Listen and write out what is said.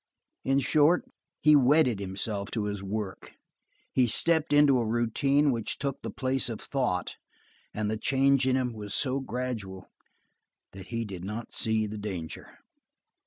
In short, he wedded himself to his work; he stepped into a routine which took the place of thought, and the change in him was so gradual that he did not see the danger.